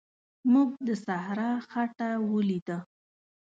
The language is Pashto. موږ د صحرا خټه ولیده.